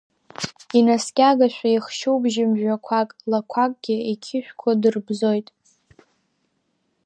Инаскьагашәа ихшьуп жьымжәақәак, лақәакгьы иқьышәқәа дырбзоит.